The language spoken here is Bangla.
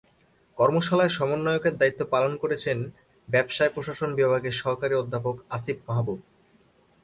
কর্মশালায় সমন্বয়কের দায়িত্ব পালন করছেন ব্যবসায় প্রশাসন বিভাগের সহকারী অধ্যাপক আসিফ মাহবুব।